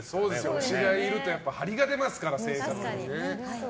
推しがいるとハリが出ますから、生活に。